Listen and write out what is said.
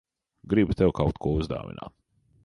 Gribu tev kaut ko uzdāvināt.